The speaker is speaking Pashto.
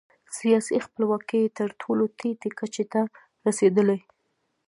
سیاسي خپلواکي یې تر ټولو ټیټې کچې ته رسېدلې.